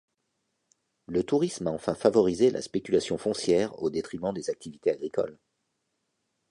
Le tourisme a enfin favorisé la spéculation foncière au détriment des activités agricoles.